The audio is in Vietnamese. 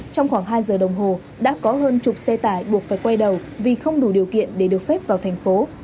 trong khoảng hai giờ đồng hồ đã có hơn chục xe tải buộc phải quay đầu vì không đủ điều kiện để được phép vào thành phố